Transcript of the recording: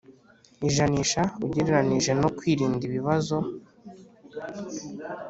Ijanisha ugereranije no kwirinda ibibazo